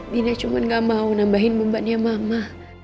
dina cuman gak mau nambahin bumbannya mama